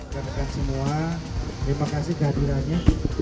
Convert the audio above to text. terima kasih semua terima kasih kehadirannya